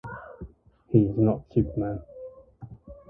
He is not superman.